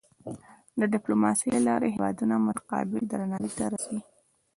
د ډیپلوماسۍ له لارې هېوادونه متقابل درناوی ته رسي.